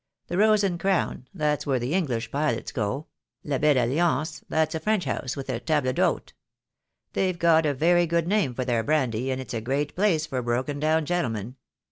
'The Rose and Crown,' that's where the English pilots go; 'La Belle Alliance,' that's a French house with a table d'hote. They've got a very good name for their brandy, and it's a great place for broken down gentlemen.